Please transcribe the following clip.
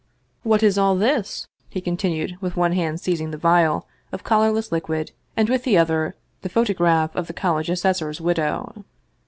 " What is all this ?" he continued, with one hand seiz ing the vial of colorless liquid and with the other the photograph of the college assessor's widow.